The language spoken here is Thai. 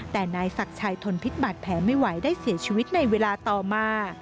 แต่นายศักดิ์ชัยทนพิษบาดแผลไม่ไหวได้เสียชีวิตในเวลาต่อมา